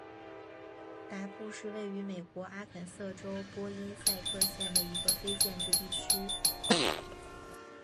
达布是位于美国阿肯色州波因塞特县的一个非建制地区。